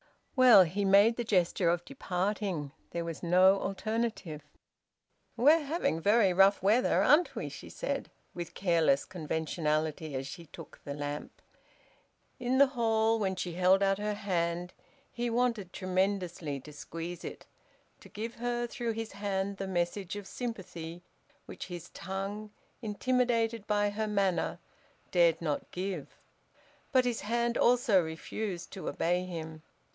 "Well " He made the gesture of departing. There was no alternative. "We're having very rough weather, aren't we?" she said, with careless conventionality, as she took the lamp. In the hall, when she held out her hand, he wanted tremendously to squeeze it, to give her through his hand the message of sympathy which his tongue, intimidated by her manner, dared not give. But his hand also refused to obey him.